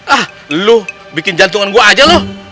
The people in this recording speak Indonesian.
ah lu bikin jantungan gue aja loh